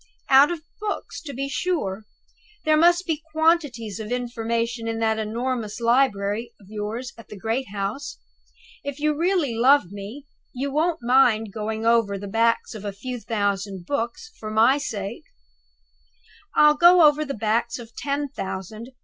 "Out of books, to be sure! There must be quantities of information in that enormous library of yours at the great house. If you really love me, you won't mind going over the backs of a few thousand books, for my sake!" "I'll go over the backs of ten thousand!"